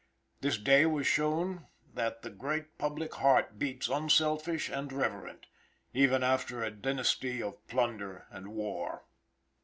This day was shown that the great public heart beats unselfish and reverent, even after a dynasty of plunder and war.